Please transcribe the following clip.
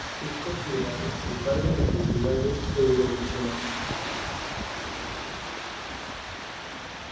Es considerado el padre del Festival de Eurovisión.